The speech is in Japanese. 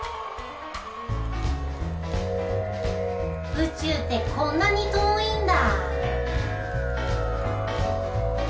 宇宙ってこんなに遠いんだ。